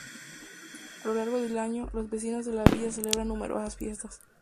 A lo largo del año, los vecinos de la villa celebran numerosas fiestas.